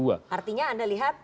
artinya anda lihat